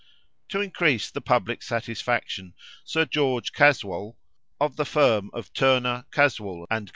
To increase the public satisfaction, Sir George Caswall, of the firm of Turner, Caswall, and Co.